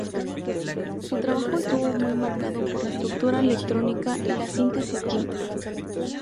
Su trabajo estuvo muy marcado por la estructura electrónica y la síntesis química.